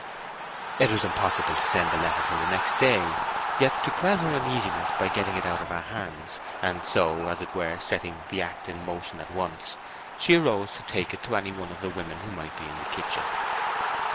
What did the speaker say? It was impossible to send this letter till the next day; yet to quell her uneasiness by getting it out of her hands, and so, as it were, setting the act in motion at once, she arose to take it to any one of the women who might be in the kitchen.